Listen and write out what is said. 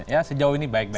ya sejauh ini baik baik saja